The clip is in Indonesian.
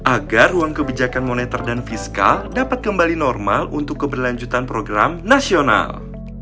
agar ruang kebijakan moneter dan fiskal dapat kembali normal untuk keberlanjutan program nasional